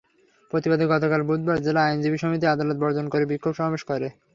প্রতিবাদে গতকাল বুধবার জেলা আইনজীবী সমিতি আদালত বর্জন করে বিক্ষোভ সমাবেশ করে।